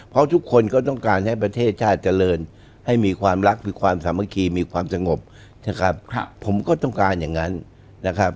เพราะทุกคนก็ต้องการให้ประเทศชาติเจริญให้มีความรักมีความสามัคคีมีความสงบนะครับผมก็ต้องการอย่างนั้นนะครับ